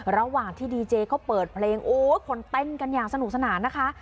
ระหว่างที่ดีเจเขาเปิดเพลงโอ้ยคนเต้นกันอย่างสนุกสนานนะคะ